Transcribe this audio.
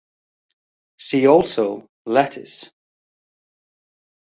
See also lattice.